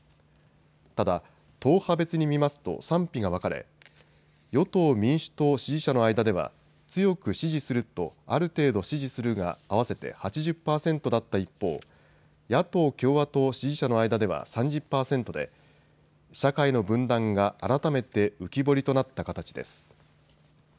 ただ党派別に見ますと賛否が分かれ、与党民主党支持者の間では強く支持すると、ある程度支持するが合わせて８０％だった一方、野党共和党支持者の間では３０％で社会の分断が改めて浮き彫りとなった形です。